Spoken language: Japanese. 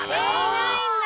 ないんだ。